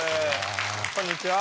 こんにちは。